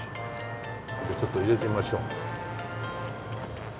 じゃあちょっと入れてみましょう。